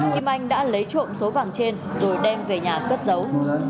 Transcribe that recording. kim anh đã lấy trộm số vàng trên rồi đem về nhà cất giấu